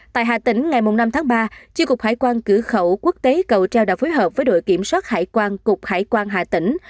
tại hà tĩnh ngày năm tháng ba tri cục hải quan cửa khẩu quốc tế cầu treo đã phối hợp với đội kiểm soát hải quan cục hải quan hà tĩnh